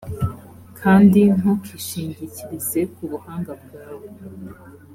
kandi ntukishingikirize ku buhanga bwawe